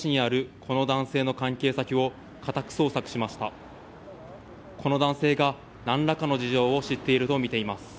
この男性が何らかの事情を知っているとみています。